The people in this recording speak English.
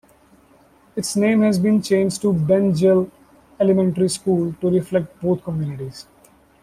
Its name has been changed to Ben-Gil Elementary School, to reflect both communities.